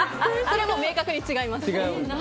それは明確に違います。